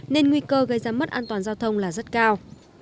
nên nguy cơ gây ra mất an toàn giao thông là rất cao